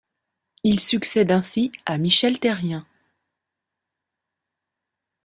Il succède ainsi à Michel Therrien.